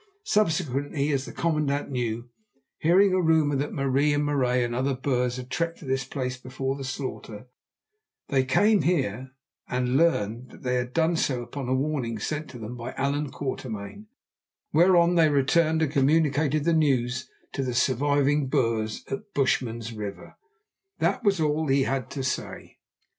Subsequently, as the commandant knew, hearing a rumour that Marie Marais and other Boers had trekked to this place before the slaughter, they came here and learned that they had done so upon a warning sent to them by Allan Quatermain, whereon they returned and communicated the news to the surviving Boers at Bushman's River. That was all he had to say.